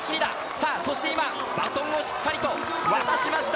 さあ、そして今、バトンをしっかりと渡しました。